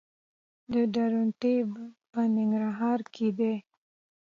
د درونټې بند په ننګرهار کې دی